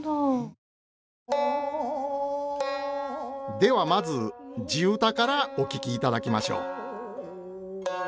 ではまず地唄からお聴きいただきましょう。